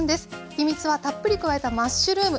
秘密はたっぷり加えたマッシュルーム。